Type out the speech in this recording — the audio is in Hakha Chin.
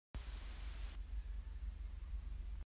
A cheu saram nih cun saphen hi an ei ve.